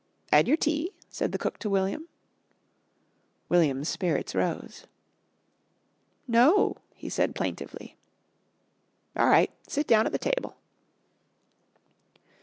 "'Ad your tea?" said the cook to William. William's spirits rose. "No," he said plaintively. "All right. Sit down at the table."